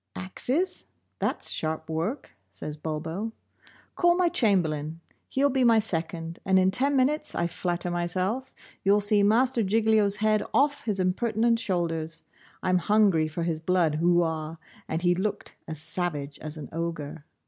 'Axes? That's sharp work,' says Bulbo. 'Call my Chamberlain, he'll be my second, and in ten minutes, I flatter myself, you'll see Master Giglio's head off his impertinent shoulders. I'm hungry for his blood Hoooo, aw!' and he looked as savage as an ogre.